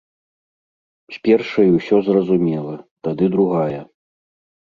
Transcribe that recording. З першай усё зразумела, тады другая.